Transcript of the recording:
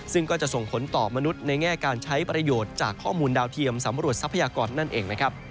ซึ่งก็จะส่งผลต่อมนุษย์ในแง่การใช้ประโยชน์จากข้อมูลดาวเทียมสำรวจทรัพยากรนั่นเองนะครับ